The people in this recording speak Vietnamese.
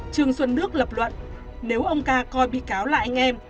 trường xuân đức lập luận nếu ông ca coi bị cáo là anh em